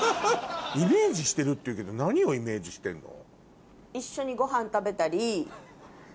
イメージしてるっていうけど何をイメージしてんの？